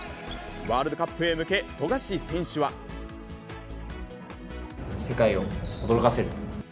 ワールドカップへ向け、富樫選手は。世界を驚かせる。